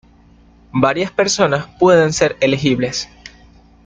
Varias personas pueden ser elegibles.